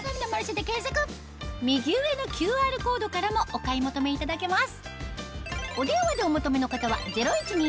右上のＱＲコードからもお買い求めいただけます